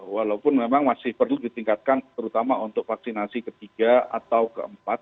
walaupun memang masih perlu ditingkatkan terutama untuk vaksinasi ketiga atau keempat